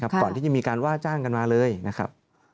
ก่อนที่จะมีการว่าจ้างกันมาเลยนะครับ